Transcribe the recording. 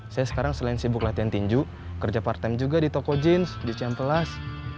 saya sekarang selain sibuk latihan tinju kerja partem juga di toko jeans di champelas